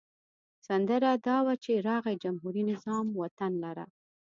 سندره دا وه چې راغی جمهوري نظام وطن لره.